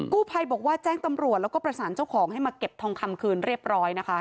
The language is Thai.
กู้ภัยบอกว่าแจ้งตำรวจแล้วก็ประสานเจ้าของให้มาเก็บทองคำคืนเรียบร้อยนะคะ